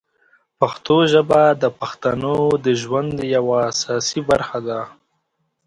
پښتو ژبه د پښتنو د ژوند یوه اساسي برخه ده.